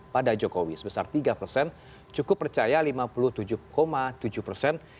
pada jokowi sebesar tiga persen cukup percaya lima puluh tujuh tujuh persen